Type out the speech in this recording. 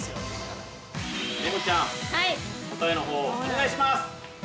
◆ねおちゃん、答えのほうをお願いします。